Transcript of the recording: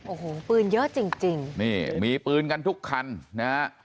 โอ้โหปืนเยอะจริงจริงนี่มีปืนกันทุกคันนะฮะ